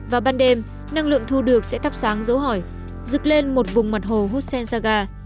vào ban đêm năng lượng thu được sẽ thắp sáng dấu hỏi rực lên một vùng mặt hồ hussen saga